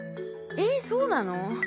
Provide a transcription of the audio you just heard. えそうなの？